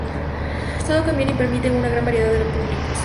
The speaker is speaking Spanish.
Todo convive y permite una gran variedad de públicos.